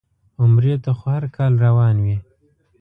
عمرې ته خو هر کال روان وي.